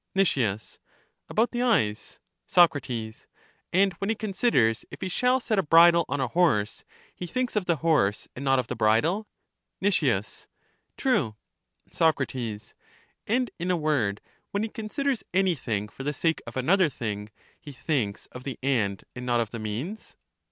Nic, About the eyes. Soc, And when he considers if he shall set a bridle on a horse, he thinks of the horse and not of the bridle? Nic, True. Soc. And in a word, when he considers anything for the sake of another thing, he thinks of the end and not of the means?